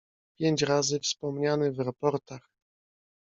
"Pięć razy wspomniany w raportach“."